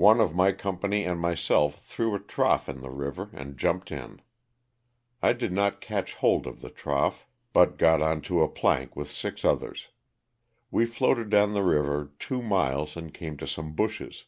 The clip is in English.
One of my company and myself threw a trough in the river and jumped in. I did not catch hold of the trough, but got onto a plank 308 LOSS OF THE SULTANA. with six others. We floated down the river two miles and came to some bushes.